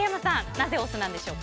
なぜお酢なんでしょうか？